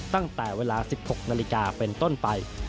ตั้งแต่เวลา๑๖นาฬิกาเป็นต้นไป